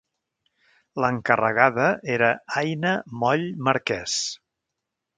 L'encarregada era Aina Moll Marquès.